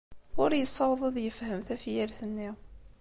Ur yessaweḍ ad yefhem tafyirt-nni.